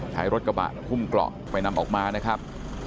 ใช้รถกระบะหุ้มเกราะไปนำออกมานะครับ